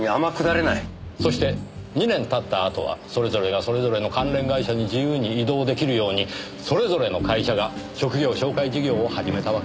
そして２年たったあとはそれぞれがそれぞれの関連会社に自由に異動出来るようにそれぞれの会社が職業紹介事業を始めたわけです。